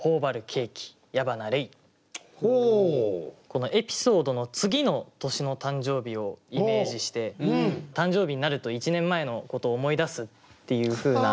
このエピソードの次の年の誕生日をイメージして誕生日になると１年前のことを思い出すっていうふうな。